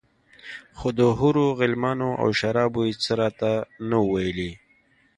خو د حورو غلمانو او شرابو يې څه راته نه وو ويلي.